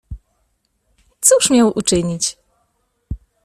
"Cóż miał uczynić?"